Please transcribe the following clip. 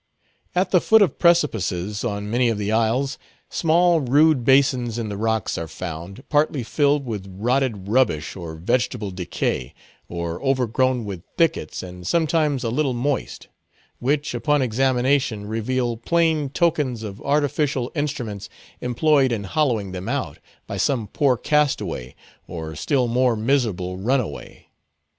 At the foot of precipices on many of the isles, small rude basins in the rocks are found, partly filled with rotted rubbish or vegetable decay, or overgrown with thickets, and sometimes a little moist; which, upon examination, reveal plain tokens of artificial instruments employed in hollowing them out, by some poor castaway or still more miserable runaway.